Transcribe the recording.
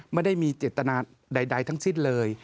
ไม่ได้มีเจตนาใดทั้งสิ้นเลย